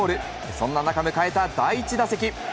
そんな中、迎えた第１打席。